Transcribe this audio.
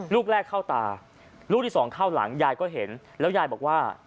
ลูกแรกเข้าตาลูกที่สองเข้าหลังยายก็เห็นแล้วยายบอกว่า